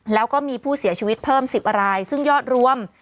แล้วก็มีผู้เสียชีวิตเพิ่ม๑๐รายซึ่งยอดรวม